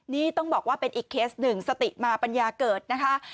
นี่ต้องบอกว่าเป็นอีกเคสหนึ่งสติมาปัญญาเกิดนะคะ